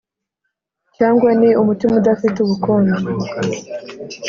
cyangwa ni umutima udafite ubukonje?